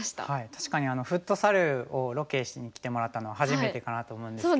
確かにフットサルをロケしに来てもらったのは初めてかなと思うんですけど。